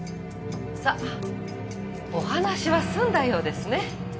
さあお話は済んだようですね。